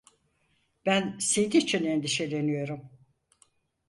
Ben senin için endişeleniyorum.